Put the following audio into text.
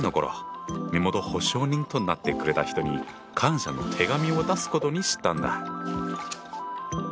身元保証人となってくれた人に感謝の手紙を出すことにしたんだ。